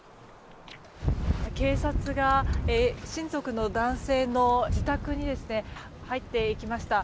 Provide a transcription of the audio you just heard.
警察が親族の男性の自宅に入っていきました。